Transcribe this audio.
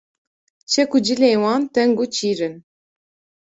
Çek û cilên wan teng û çîr in